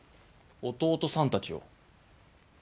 弟さんたちを？